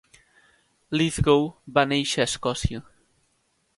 Lithgow va néixer a Escòcia.